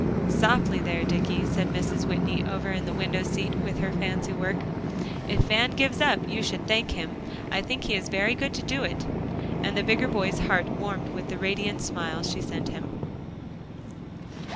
"Softly there, Dicky," said Mrs. Whitney, over in the window seat with her fancy work; "if Van gives up, you should thank him; I think he is very good to do it." And the bigger boy's heart warmed with the radiant smile she sent him.